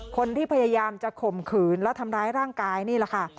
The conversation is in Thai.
พยายามจะข่มขืนแล้วทำร้ายร่างกายนี่แหละค่ะ